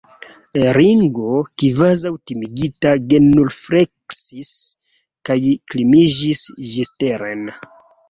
Ringo, kvazaŭ timigita, genufleksis kaj kliniĝis ĝisteren.